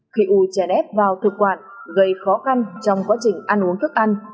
khi u chai nét vào thực quản gây khó khăn trong quá trình ăn uống thức ăn